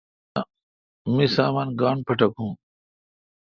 می سامان گاݨڈ پٹکون۔